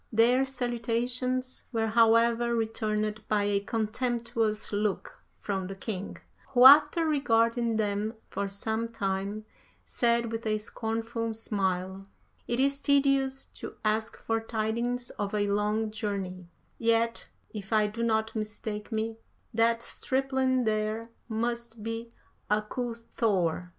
Their salutations were however returned by a contemptuous look from the king, who, after regarding them for some time, said with a scornful smile "'It is tedious to ask for tidings of a long journey, yet if I do not mistake me, that stripling there must be Aku Thor.